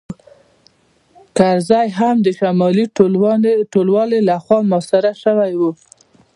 کرزی هم د شمالي ټلوالې لخوا محاصره شوی و